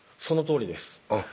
そのとおりです